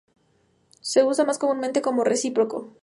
Se usa más comúnmente como recíproco.